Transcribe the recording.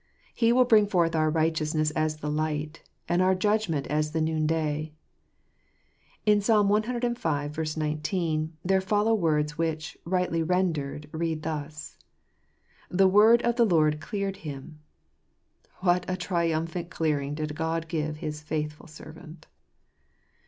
" He will bring forth our righteousness as the light, and our judgment as the noonday." In Psa. cv. 19 there follow words which, rightly rendered, read thus: "The word of the Lord cleared him." What a triumphant clearing did God give His faithful servant